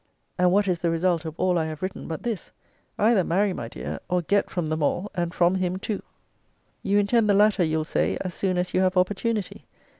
And what is the result of all I have written, but this Either marry, my dear, or get from them all, and from him too. You intend the latter, you'll say, as soon as you have opportunity.